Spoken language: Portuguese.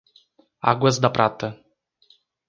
Águas da Prata